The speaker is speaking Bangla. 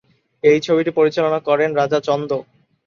এই ছবিটি পরিচালনা করেন রাজা চন্দ।